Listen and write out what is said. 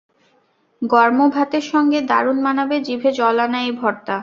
গর্ম ভাতের সঙ্গে দারুন মানাবে জিভে জল আনা এই ভর্তা।